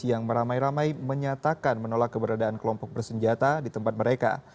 yang meramai ramai menyatakan menolak keberadaan kelompok bersenjata di tempat mereka